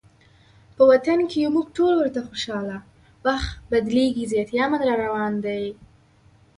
په وطن کې یو مونږ ټول ورته خوشحاله، وخت بدلیږي زیاتي امن راروان دی